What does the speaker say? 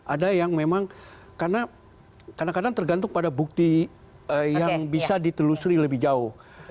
ada yang memang karena kadang kadang tergantung pada bukti yang bisa ditelusuri lebih jauh